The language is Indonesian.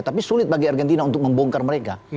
tapi sulit bagi argentina untuk membongkar mereka